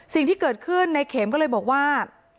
สิ่งที่เกิดขึ้นในเข็มก็เลยบอกว่า